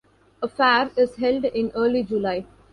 A fair is held in early July.